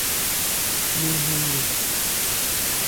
Mɛn hɔn nkɛ.